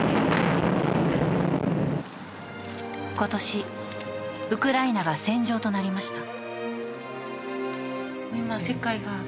今年、ウクライナが戦場となりました。